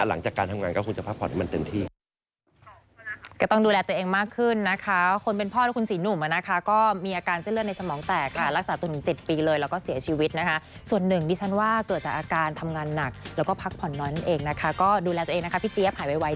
หลังจากการทำงานก็คงจะพักผ่อนให้มันเต็มที่